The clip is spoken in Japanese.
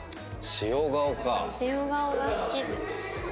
塩顔が好きで。